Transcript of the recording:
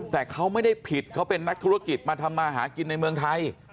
แต่เขาไม่ได้ผิดเขาเป็นนักธุรกิจมาทำมาหากินในเมืองไทย